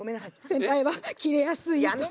「センパイはキレやすい」と。